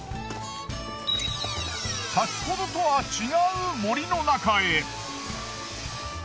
先ほどとは違う森の中へ。